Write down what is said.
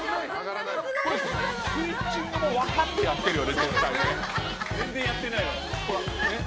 スイッチングも分かってやってるよね。